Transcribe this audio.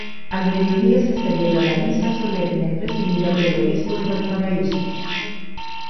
Al mediodía se celebra la misa solemne presidida por el obispo de Valparaíso.